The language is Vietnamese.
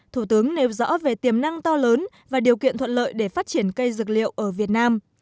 thủ tướng nêu rõ về tiềm năng to lớn và điều kiện thuận lợi để phát triển cây dược liệu ở việt nam